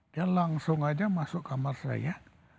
dia langsung aja masuk kamar saya